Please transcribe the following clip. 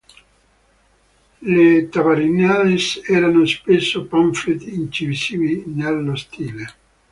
Le "tabarinades" erano spesso pamphlet incisivi nello stile.